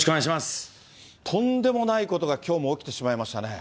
とんでもないことが、きょうも起きてしまいましたね。